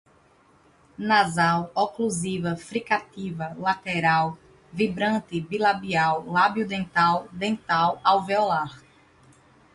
Nasal, oclusiva, fricativa, lateral, vibrante, bilabial, labio-dental, dental, alveolar